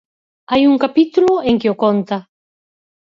Hai un capítulo en que o conta.